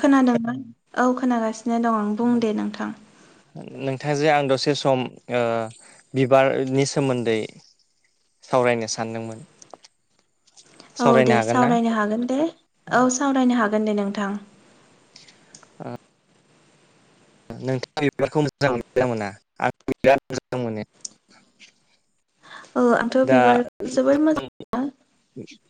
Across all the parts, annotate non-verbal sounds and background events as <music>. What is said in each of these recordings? खोनादोंना औ खोनागासिनो दं। बुं उम। दे नोंथां ओ नोंथां जों आं दसे सम ओ बिबारनि सोमोन्दै सावरायनो सानदोंमोन। औ सावरायनो दे हागोन ना सावरायनो हागोन दे औ सावरायनो हागोन दे नोंथां। नोंथाङा बिबारखौ मोजां मोनो मोना? आं बिराद मोजां मोनो। औ आंथ' दा बिबारखौ जोबोर मोजां मोनो। <unintelligible>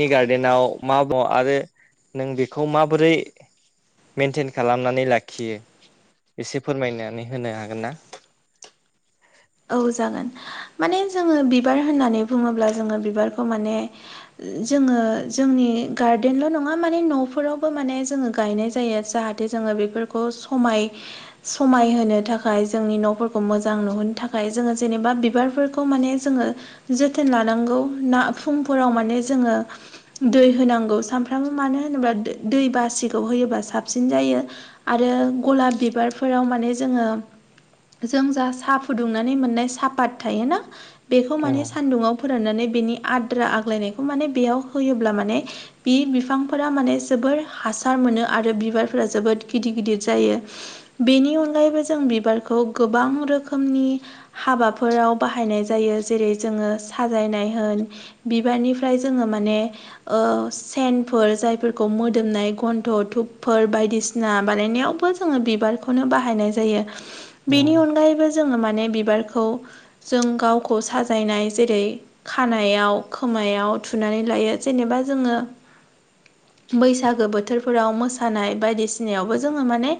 नि गार्देनाव मा <unintelligible> आरो नों बेखौ माबोरै मेेनटेन खालामनानै लाखियो एसे फोरमायनानै होनो हागोन ना? औ जागोन माने जोङो बिबार होननानै बुङोब्ला जोङो बिबारखौ माने जोङो जोंनि गार्देनल' नङा माने न'फोरावबो माने जोङो गायनाय जायो जाहा थे जोङो बेफोरखौ समाय समायहोनो थाखाय जोंनि न'फोरखौ मोजां नुहोनो थाखाय थाखाय जोङो जेनेबा बिबारफोरखौ माने जोङो जोथोन लानांगौ ना फुंफोराव माने जोङो दै होनांगौ सानफ्रामबो मानो होनोबा दै दै बासिखौ होयोबा साबसिन जायो। आरो गलाब बिबारफोराव माने जोङो जों जा साफु फुदुंनानै मोननाय सापात थायोना बेखौ माने सानदुंआव फोराननानै बिनि आद्रा आग्लायनायखौ माने बेयाव होयोब्ला माने बि बिफांफोरा माने जोबोर हासार मोनो आरो बिबारफोरा जोबोद गिदिर गिदिर जायो। बेनि अनगायैबो जों बिबारखौ गोबां रो खोमनि हाबाफोराव बाहायनाय जायो जेरै जोङो साजायनाय होन बिबारनिफ्राय जोङो माने ओ सेनफोर जायफोरखौ मोदोमनाय गन्थ' धुपफोर बायदिसि ना बानायनायावबो जोङो बिबारखौनो बाहायनाय जायो। बेनि अनगायैबो जोङो माने बिबारखौ जों गावखौ साजायनाय जेरै खानायाव खोमायाव थुनानै लायो जेनेबा जोङो बैसागो बोथोरफोराव मोसानाय बायदिसिनायावबो जोङो माने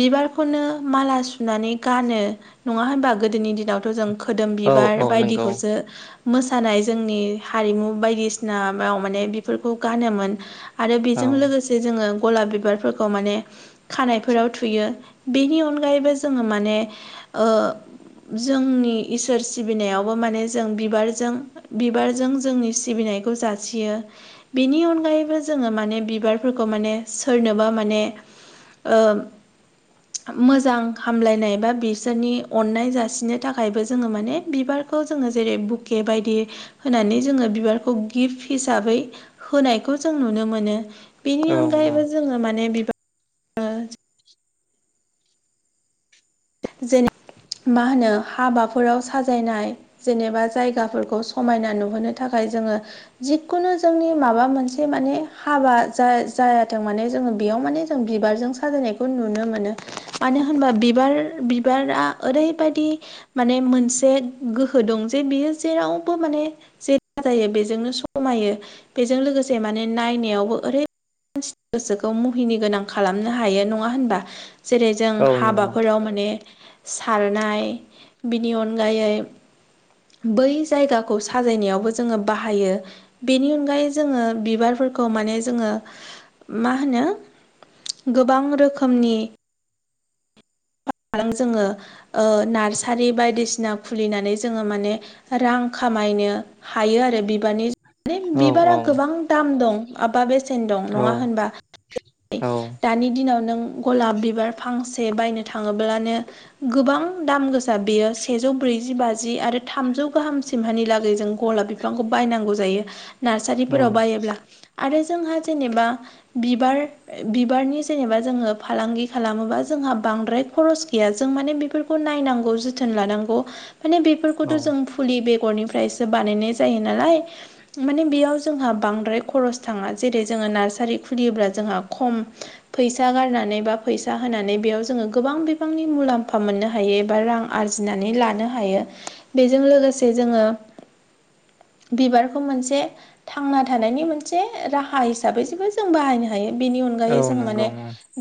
बिबारखौनो माला सुनानै गानो। नङा होनबा? गोदोनि दिनावथ' जों खोदोम औ बिबार औ नंगौ बायदिखौसो मोसानाय जोंनि हारिमु बायदिसिना बा माने बेफोरखौ गानोमोन। आरो औ बेजों लोगोसे जोङो गलाब बिबारफोरखौ माने खानायफोराव थुयो बेनि अनगायैबो जोङो माने ओ जोंनि इसोर सिबिनायावबो माने जों बिबारजों बिबारजों जोंनि सिबिनायखौ जासियो। बेनि अनगायैबो जोङो माने बिबारफोरखौ माने सोरनोबा माने ओ मोजां हामलायनाय बा बि सोरनि अननाय जासिनो थाखायबो जोङो माने बिबारखौ जोङो जेरै बुके बायदि होनानै जोङो बिबारखौ गिफ हिसाबै होनायखौ जों नुनो मोनो। औ बिनि अनगायैबो जोङो माने बिबार <unintelligible> जेने मा होनो हाबाफोराव साजायनाय जेनेबा जायगाफोरखौ समायना नुहोनो थाखाय जोङो जिखुनु जोंनि माबा मोनसे माने हाबा जाय जायाथों माने जोङो बेयाव माने जों बिबारजों साजायनायखौ नुनो मोनो मानो होनबा बिबार बिबारा ओरैबादि माने मोनसे गोहो दं जे बियो जेरावबो माने जे साजायो बेजोंनो समायो बेजों लोगोसे माने नायनायावबो ओरै ओस गोसोखौ मुहिनि गोनां खालामनो हायो नङा होनबा जेरै जों औ नंगौ हाबाफोराव ने सारनाय बिनि अनगायै बै जायगाखौ साजायनायावबो जोङो बाहायो। बेनि अनगायै जोङो बिबारफोरखौ माने जोङो मा होनो? गोबां रोखोमनि बां जोङो ओ नार्सारि बायदिसिना खुलिनानै जोङो माने रां खामायनो हायो आरो बिबारनि ने औ औ बिबारा गोबां दाम दं बाबा बेसेन दं नङा होनबा? औ दानि दिनाव नों गलाब बिबार फांसे बायनो थाङोब्लानो गोबां दाम गोसा बेयो सेजौ ब्रैजि बाजि आरो थामजौ गाहाम सिमहानि लागै जों गलाब बिब बिफांखौ बायनांगौ जायो नार्सारिफोराव बायोब्ला आरो जोंहा जेनेबा बिबार ए बिबारनि जेनेबा जोङो फालांगि खालामोबा जोंहा बांद्राय खरस गैया जों माने बेफोरखौ नायनांगौ जोथोन लानांगौ माने औ बेफोरखौथ' जों फुलि बेगरनिफ्रायसो बानायनाय जायो नालाय माने बेयाव जोंहा बांद्राय खरस थाङा जेरै जोङो नार्सारि खुलियोब्ला जोंहा खम फैसा गारनानै बा फैसा होनानै बेयाव जोङो गोबां बिबांनि मुलाम्फा मोननो हायो एबा रां आरजिनानै लानो हायो। बेजों लोगोसे जोङो बिबारखौ मोनसे थांना थानायनि मोनसे ओ राहा हिसाबै जेबो जों बाहायनो हायो बेनि अन अनगायै औ जों नंगौ माने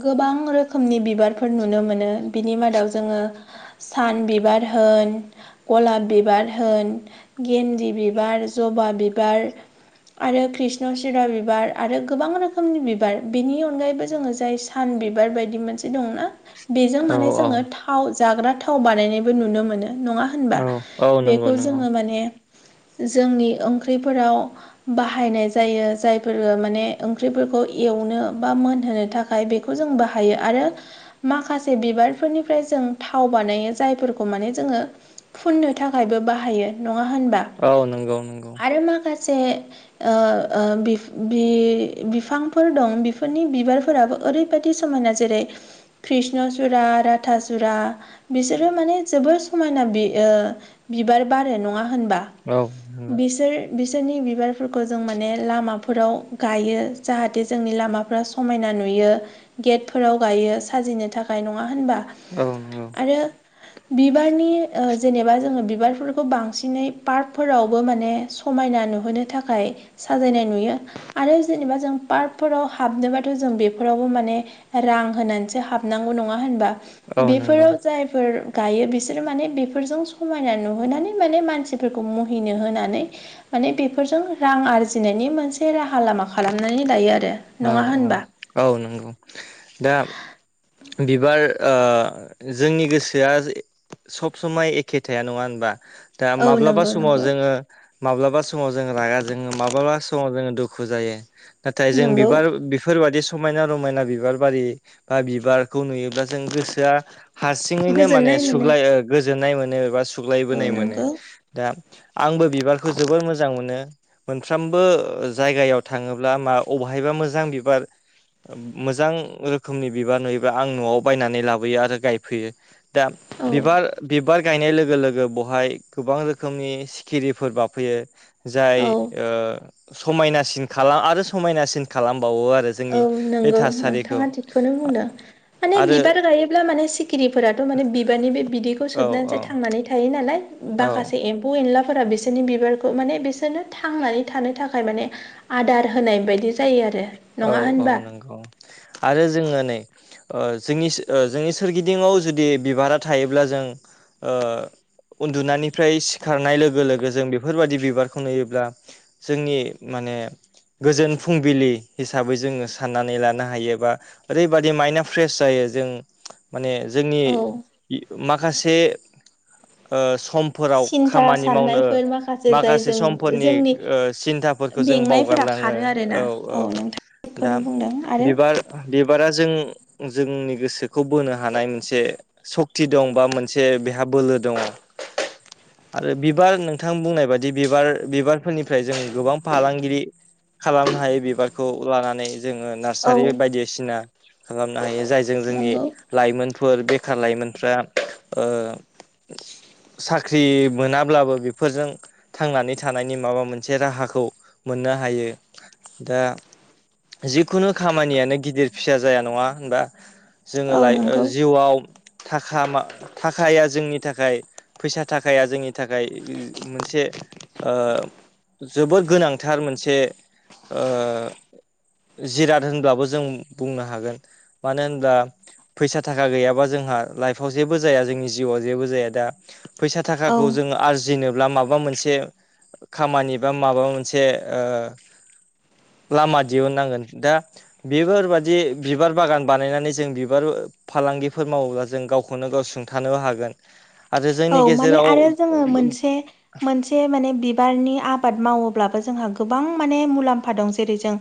गोबां रोखोमनि बिबारफोर नुनो मोनो बिनि मादाव जोङो सान बिबार होन गलाब बिबार होन गेन्दि बिबार, जबा बिबार आरो कृष्ण चिरा बिबार आरो गोबां रोखोमनि बिबार बिनि अनगायैबो जोङो जायस सान बिबार बायदि मोनसे दंना बेजों औ माने औ जोङो थाव जाग्रा थाव बानायनायबो नुनो मोनो नङा होनबा औ नंगौ बेखौ नंगौ जोङो माने जोंनि ओंख्रिफोराव बाहायनाय जायो जायफोरो माने ओंख्रिफोरखौ एवनो बा मोनहोनो थाख खाय बेखौ जों बाहायो आरो माखासे बिबारफोरनिफ्राय जों थाव बानायो जायफोरखौ माने जोङो फुननो थाखायबो बाहायो नङा होनबा? औ नंगौ नंगौ। आरो माखासे ओ ओ बिफ बि बिफांफोर दं बिफोरनि बिबारफोराबो ओरै बादि समायना जेरै कृष्ण सुरा, राथासुरा, बिसोरो माने जोबोर समायना बि ओ बिबार बारो नङा होनबा औ नंगौ बिसोर बिसोरनि बिबारफोरखौ जों माने लामाफोराव गायो जाहाथे जोंनि लामाफ्रा सु खमायना नुयो गेटफोराव गायोस साजिनो थाखाय नङा होनबा औ नंगौ आरो बिबारनि ओ जेनेबा जोङो बिबारफोरखौ बांसिनै पार्कफोरावबो माने सु खमायना नुहोनो थाखाय साजायनाय नुयो। आरो जेनेबा जों पार्कफोराव हाबनोबाथ' जों बेफोरावबो माने रां होनानैसो जो हाबनांगौ नङा होनबा औ नंगौ बेफोराव जायफोर गायो बिसोरो माने बेफोरजों समायना नुहोनानै माने मानसिफोरखौ महिनो होनानै माने बेफोरजों रां आरजिनायनि मोनसे राहा लामा खालामनानै लायो आरो। औ नङा औ होनबा औ नंगौ दा बिबार ओ जोंनि गोसोआ सब समाय एखे थाया नङा होनबा दा औ माब्लाबा नंगौ समाव नंगौ जोङो माब्लाबा समाव जोङो रागा जोङो माब्लाबा समाव जोङो दुखु जायो, नाथाय जों बि नंगौ बेफोरबादि समायना रमायना बिबार बारि बा बिबार खौ नुयोब्ला जों गोसोआ हारसिङैनो माने गोजोननाय मोनो सुग्लाय गोजोन्नाय मोनो एबा सु औ थुग्लायबोनाय मोनो नंगौ दा आंबो बिबारखौ जोबोर मोजां मोनो। मोनफ्रोमबो ओ जायगायाव थाङोब्ला मा अबेहायबा मोजां बिबार ओ मोजां रोखोमनि बिबार नुयोब्ला आं न'आव बायनानै लाबोयो आरो गायफैयो। दा औ बिबार बिबार गायनाय लोगो लोगो बहाय गोबां रोखोमनि सिखिरिफोर बाफैयो जाय औ ओ समायनासिन खाला आरो समायनासिन खालामबावो आरो औ जोंनि बे नंगौ थासारिखौ नोंथाङा थिगखौनो बुंदों माने आरो बिबार गायो ब्ला माने सिखिरिफोराथ' माने बिबारनि बे बिदैखौ औ सोबनानैसो थांनानै थायो नालाय, औ बाखासे एम फै एनलाफोरा बिसोरनि बिबारखौ माने बिसोरनो थांनानै थानो थाखाय माने आदार होनाय बायदि जायो आरो औ नङा औ होनबा नंगौ आरो जोङो नै ओ जोंनि सो जोंनि सोरगिदिङाव जुदि बिबारा थायोब्ला जों ओ उन्दुनायनिफ्राय सिखारनाय लोगो लोगो जों बेफोरबायदि बिबारखौ नुयोब्ला जोंनि माने गोजोन फुंबिलि हिसाबै जोङो साननानै लानो हायो बा ओरैबादि माइन्डआ फ्रेस जायो जों माने जोंनि औ माखासे ओ सम फोराव सिन्था खामानि मावनो साननायफोर जाय माखासे जों समफोरनि जोंनि ओ सिन्था फोरखौ जों मेंनायफोरा बावगारलाङो खारो आरोना औ औ नोंथां दा थिगखौनो बुंदों आरो बिबार बिबारा जों जोंनि गोसोखौ बोनो हानाय मोनसे सक्ति दं बा मोनसे बेहा बोलो दङ। <inaudible> आरो बिबार नोंथां बुंनाय बायदि बिबार बिबारफोरनिफ्राय जों गोबां फालांगिरि खालामनो हायो बिबारखौ लानानै जोङो औ नार्सारि बायदि बायदिसिना खालामनो हायो जायजों जोंनि नंगौ लाइमोनफोर बेखार लाइमोनफ्रा ओ साख्रि मोनाब्लाबो बेफोरजों थांनानै थानायनि माबा मोनसे राहाखौ मोननो हायो दा जिखुनु खामानियानो गिदिर फिसा जाया नङा होनबा जोङो औ लाइ ओ नंगौ जिउआव थाखा मा थाखाया जोंनि थाखाय फैसा थाखाया जोंनि थाखाय मोनसे ओ जोबोद गोनांथार मोनसे ओ जिराद होनब्लाबो जों बुंनो हागोन मानो होनब्ला फैसा थाखा गैयाबा जोंहा लाइफआव जेबो जाया जोंनि जिउआव जेबो जाया दा फैसा औ थाखाखौ जों आरजिनोब्ला माब माबा मोनसे खामानि बा माबा मोनसे ओ लामा दिहुननांगोन दा बेफोरबादि बिबार बागान बानायनानै जों बिबार फालांगिफोर मावोब्ला जों गावखौनो गाव सुंथानोबो हागोन। आरो औ जोंनि माने गेजेराव आरो जोङो मोनसे मोनसे माने बिबारनि आबाद मावोब्लाबो जोंहा गोबां माने मुलाम्फा दं जेरै जों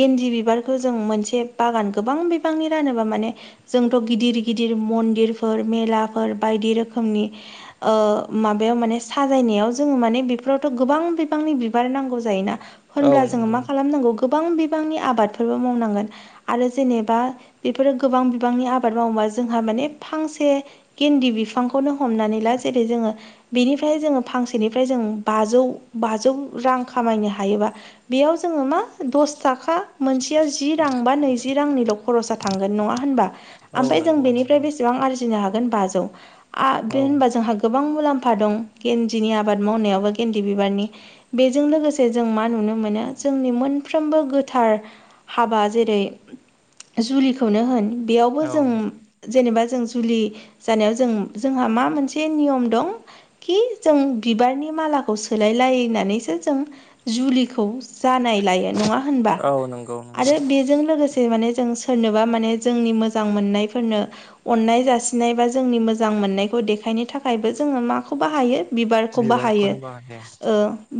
गेन्दि बिबारखौ जों मोनसे बागान गोबां बिबांनि रानोबा माने जोंथ' गिदिर गिदिर मन्दिरफोर मेलाफोर बायदि रोखोमनि माबायाव माने साजायनायाव जोङो माने बेफोरावथ' गोबां बिबांनि बिबार नांगौ जायोना? औ होनब्ला जोङो नंगौ मा खालामनांगौ गोबां बिबांनि आबादफोरबो मावनांगोन। आरो जेनेबा बेफोरो गोबां बिबांनि आबाद मावोबा जोंहा माने फांसे गेन्दि बिफांखौनो हमनानै ला जेरै जोङो बेनिफ्राय जोङो फांसेनिफ्राय जों बाजौ बाजौ रां खामायनो हायोबा बेयाव जोङो मा दस थाखा मोनसे जि रां बा नैज रांनिल' खरसा थांगोन नङा होनबा औ ओमफ्राय जों नंगौ बेनिफ्राय नंगौ बे सेबां आरजिनो हागोन बौ औ जोंहा गोबां मुलाम्फा दं गेन्दिनि आबाद मावनायावबो गेन्दि बिबारनि बेजों लोगोसे जों मा नुनो मोनो जोंनि मोनफ्रोमबो गोथार हाबा जेरै जुलिखौनो होन। बेयावबो जों औ जेनेबा जों जुलि जानायाव जों जोंहा मा मोनसे एसे नियम दं कि जों बिबारनि मालाखौ सोलाय लायनानैसो जों जुलिखौ जानाय लायो नङा होनबा नंगौ नंगौ आरो बेजों लोगोसे जेरै माने जों सोरनोबा माने जोंनि मोजां मोननायफोरनो अननाय जासिनाय बा जोंनि मोजां मोननायखौ देखायनो थाखायबो जोङो माखौ बाहायो बिबारखौ बाहायो बिबारखौनो बाहायो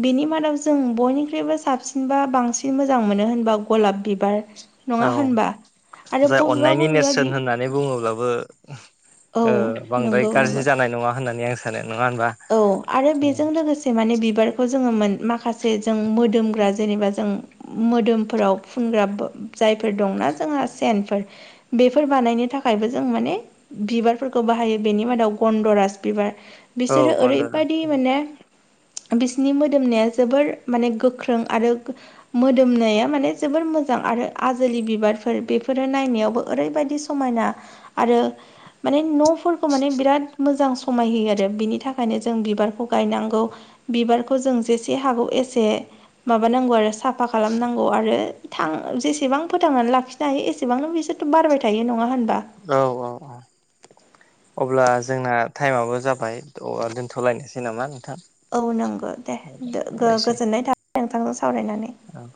बेनि मादाव जों बयनिख्रुइबो साबसिनबा बांसिन मोजां मोनो होनबा गलाब बिबार नङा औ होनबा आरो जाय बबेबा अननायनि नेरसोन बबेबा होननानै बुङोब्लाबो औ बांद्राय नंगौ नंगौ गाज्रि जानाय नङा होननानै आं सानो नङा होनबा औ आरो बेजों लोगोसे एसे माने बिबारखौ जोङो मोन माखासे जों मोदोमग्रा जेनेबा जों मोदोमफोराव फुनग्रा जायफोर दंना जोंहा सेनफोर बेफोर बानायनो थाखायबो जों माने बिबारफोरखौ बाहायो बेनि मादाव गन्दराज बिबार औ बिसोरो गन्दर ओरैबायदि माने बिसिनि मोदोमनाया जोबोर माने गोख्रों आरो मोदोमनाया माने जोबोर मोजां आरो आजोलि बिबारफोर बेफोरो नायावबो ओरैबायदि सम समायना आरो माने न'फोरखौ माने बिराद मोजां समाय होयो आरो आरो बिनि थाखायनो जों बिबारखौ गायनांगौ बिबारखौ जों जेसे हागौ एसे माबानांगौ आरो साफा खालामनांगौ आरो थां जेसेबां फोथांनानै लाखिनो हायो एसेबांनो बिसोरथ' बारबाय थायो नङा होनबा औ औ औ अब्ला जोंना टाइमाबो जाबाय दोन्थ'लायनोसै नामा नोंथां औ नंगौ दे हामबायसै गोजोननाय थाबाय नोंथांजों सावरायनानै औ